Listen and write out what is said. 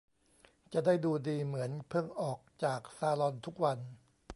จะได้ดูดีเหมือนเพิ่งออกจากซาลอนทุกวัน